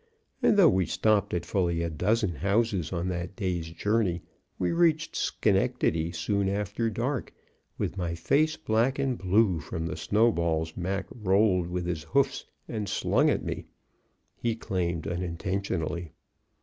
And though we stopped at fully a dozen houses on that day's journey, we reached Schenectady soon after dark, with my face black and blue from the snowballs Mac rolled with his hoofs and slung at me (he claimed, unintentionally).